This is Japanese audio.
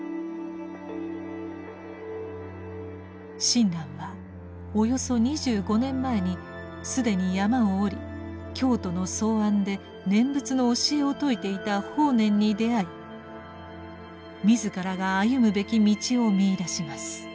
親鸞はおよそ２５年前に既に山を下り京都の草庵で念仏の教えを説いていた法然に出会い自らが歩むべき道を見いだします。